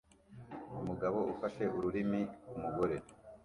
Umugabo ufashe ururimi ku mugore